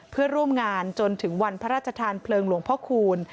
เพื่อร่วมงานจนถึงวันพระราชทานเพลิงหลวงพ่อคูณ